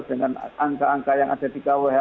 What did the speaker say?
dengan angka angka yang ada di kwh